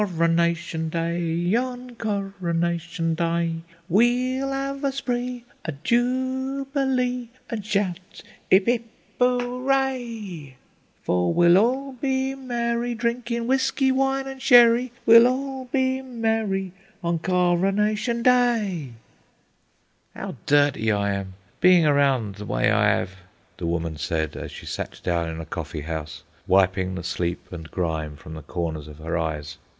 on Coronation D'y, on Coronation D'y, We'll 'ave a spree, a jubilee, an' shout 'Ip, 'ip, 'ooray; For we'll all be merry, drinkin' whisky, wine, and sherry, We'll all be merry on Coronation D'y." "'Ow dirty I am, bein' around the w'y I 'ave," the woman said, as she sat down in a coffee house, wiping the sleep and grime from the corners of her eyes.